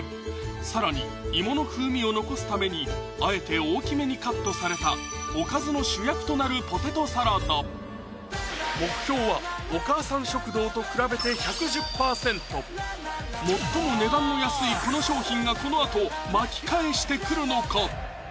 更に芋の風味を残すためにあえて大きめにカットされたおかずの主役となるポテトサラダ目標はお母さん食堂と比べて最も値段の安いこの商品がこのあと巻き返してくるのか？